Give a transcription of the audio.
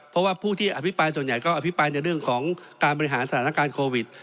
เพราะว่าผู้ที่อภิปรายส่วนใหญ่ก็อภิปรายในเรื่องของการบริหารสถานการณ์โควิด